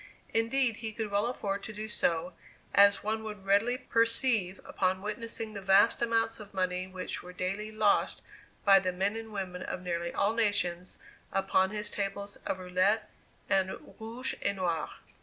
Indeed, he could well afford to do so, as one would readily perceive upon witnessing the vast amounts of money which were daily lost by the men and women of nearly all nations, upon his tables of roulette and rouge et noir.